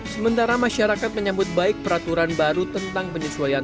sementara masyarakat menyambut baik peraturan baru tentang penyesuaian